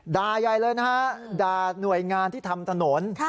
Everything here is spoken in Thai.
ใหญ่เลยนะฮะด่าหน่วยงานที่ทำถนน